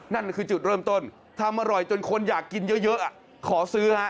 นั่นคือจุดเริ่มต้นทำอร่อยจนคนอยากกินเยอะขอซื้อฮะ